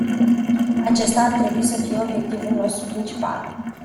Acesta ar trebui să fie obiectivul nostru principal.